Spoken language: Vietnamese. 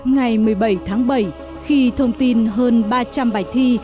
ngày một mươi bảy tháng bảy khi thông tin hơn ba trăm linh bài thi